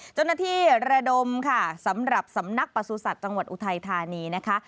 ระดมค่ะสำหรับสำนักประสุทธิ์จังหวัดอุทัยธานีนะคะ